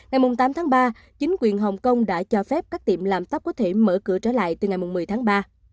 ngày tám tháng ba chính quyền hồng kông đã cho phép các tiệm làm tóp có thể mở cửa trở lại từ ngày một mươi tháng ba